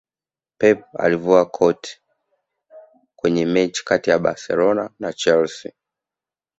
pep alivua koti Kwenye mechi kati ya barcelona na chelsea